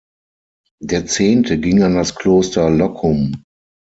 Der Zehnte ging an das Kloster Loccum.